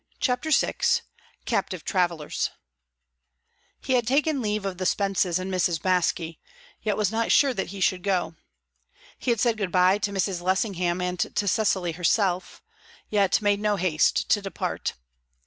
CHAPTER VI CAPTIVE TRAVELLERS He had taken leave of the Spences and Mrs. Baske, yet was not sure that he should go. He had said good bye to Mrs. Lessingham and to Cecily herself, yet made no haste to depart.